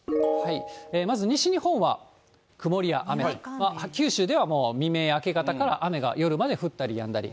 まず、西日本は曇りや雨、九州ではもう未明、明け方から雨が夜まで降ったりやんだり。